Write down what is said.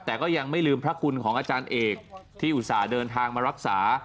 แต่ก็ยังไม่ลืมพระคุณของอาจารย์เอกที่อุตส่าห์เดินทางมารักษา